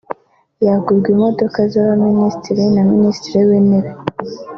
yagurwa imodoka z’abaminisitiri na minisitiri w’intebe